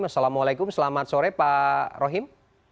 assalamualaikum selamat sore pak rohim